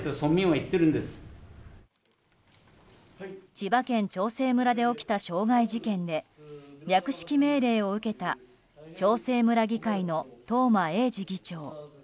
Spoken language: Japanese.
千葉県長生村で起きた傷害事件で略式命令を受けた長生村議会の東間永次議長。